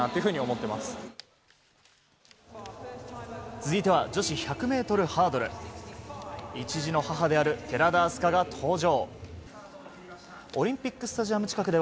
続いては女子１００ｍハードル１児の母である寺田明日香が登場。